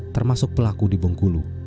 termasuk pelaku di bengkulu